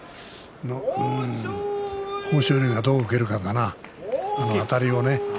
豊昇龍がどう受けるかだなあたりをね。